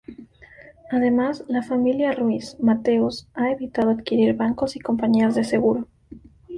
Además, la familia Ruiz-Mateos ha evitado adquirir bancos y compañías de seguros.